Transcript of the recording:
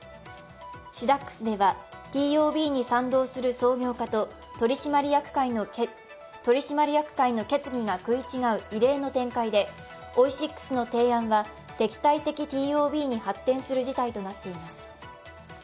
シダックスではＴＯＢに賛同する創業家と取締役会の決議が食い違う異例の展開でオイシックスの提案は敵対的ＴＯＢに発展する事態となっています。